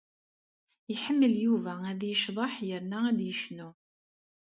Iḥemmel Yuba ad yecḍeḥ yerna ad yecnu.